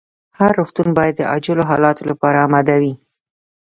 هر روغتون باید د عاجلو حالتونو لپاره اماده وي.